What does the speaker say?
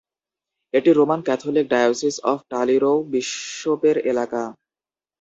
এটি Roman Catholic diocese of টালিরও বিশপের এলাকা।